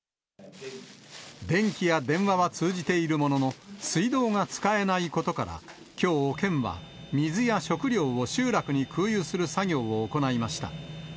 電気や電話は通じているものの、水道が使えないことから、きょう、県は水や食料を集落に空輸する作業を行いました。